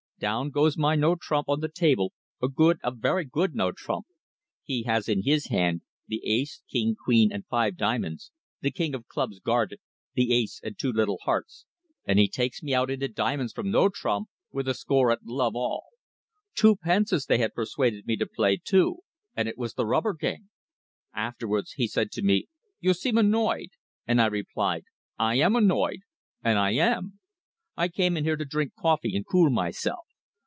Down goes my no trump on the table a good, a very good no trump. He has in his hand the ace, king, queen and five diamonds, the king of clubs guarded, the ace and two little hearts, and he takes me out into diamonds from no trumps with a score at love all. Two pences they had persuaded me to play, too, and it was the rubber game. Afterwards he said to me: 'You seem annoyed'; and I replied 'I am annoyed,' and I am. I come in here to drink coffee and cool myself.